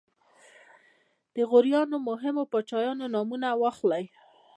د غوریانو مهمو پاچاهانو نومونه واخلئ.